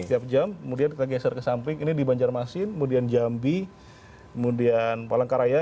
setiap jam kemudian kita geser ke samping ini di banjarmasin kemudian jambi kemudian palangkaraya